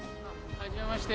はじめまして。